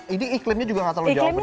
ini iklimnya juga gak tahu jauh berbeda